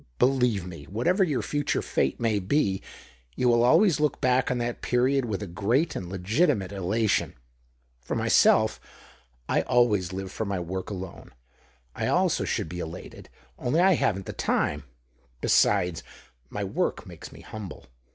Believe me, what ever your future fate may be, you will always look back on that period with a great and legitimate elation. For myself, I always live for my work alone. I also should be elated, only I haven't the time ; besides, my work makes me humble."